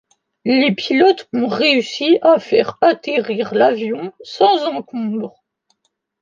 Les pilotes ont réussi à faire atterrir l'avion sans encombre.